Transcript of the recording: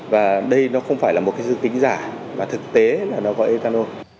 và đây nó không phải là một cái dư kính giả mà thực tế là nó có ethanol